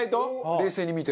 冷静に見て。